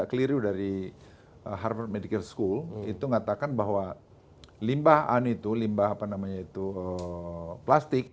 keliru dari harvard medical school itu mengatakan bahwa limbah itu limbah apa namanya itu plastik